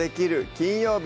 金曜日」